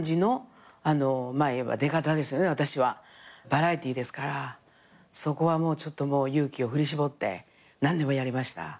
バラエティーですからそこはちょっと勇気を振り絞って何でもやりました。